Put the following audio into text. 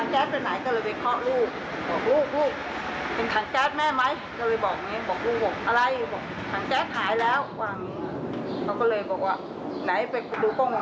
เจอก็เอ้าทางแก๊สไปไหนก็เลยไปเคาะลูก